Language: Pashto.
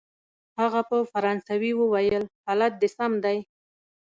هغه په فرانسوي وویل: حالت دی سم دی؟